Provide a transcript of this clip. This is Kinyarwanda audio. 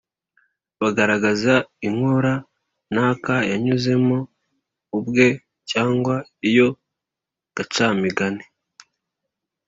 bagaragaza inkora naka yanyuzemo ubwe, cyangwa iyo gacamigani